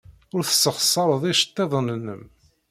Ur tessexṣareḍ iceḍḍiḍen-nnem.